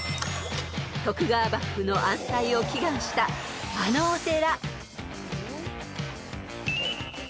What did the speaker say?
［徳川幕府の安泰を祈願したあのお寺］